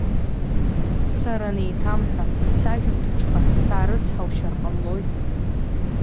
Сара неиҭамҳәа, сажәымҭыҽха саарыцҳаушьар ҟамлои!